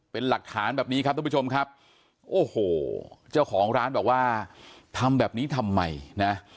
เป็นหลักฐานแบบนี้ครับทุกผู้ชมครับโอ้โหเจ้าของร้านบอกว่าทำแบบนี้ทำไมนะ